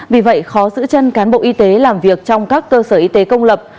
vì vậy khó giữ chân cán bộ y tế làm việc trong các cơ sở y tế công lập